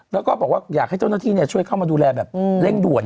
แล้วก็บอกว่าอยากให้เจ้าหน้าที่ช่วยเข้ามาดูแลแบบเร่งด่วน